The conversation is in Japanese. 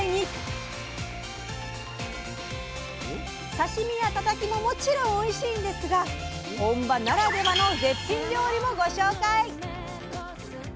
刺身やタタキももちろんおいしいんですが本場ならではの絶品料理もご紹介！